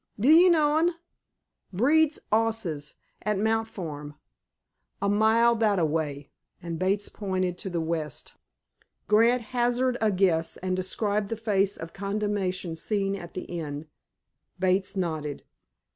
Do 'ee know un? Breeds 'osses at Mount Farm, a mile that a way," and Bates pointed to the west. Grant hazarded a guess, and described the face of condemnation seen at the inn. Bates nodded.